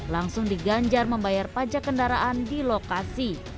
langsung diganjar membayar pajak kendaraan di lokasi